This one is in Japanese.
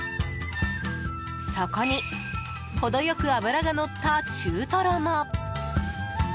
そこに程よく脂がのった中トロも！